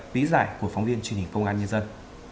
lý giải của phóng viên truyền hình công an nhân dân